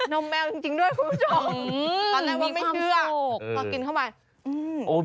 นมแมวจริงด้วยคุณผู้ชม